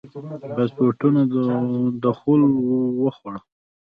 پاسپورټونو دخول وخوړه.